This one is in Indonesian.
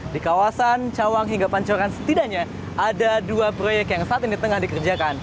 di kawasan cawang hingga pancoran setidaknya ada dua proyek yang saat ini tengah dikerjakan